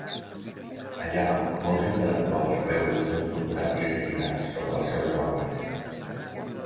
Allà, molts intel·lectuals jueus són torturats i assassinats sota les seves ordres.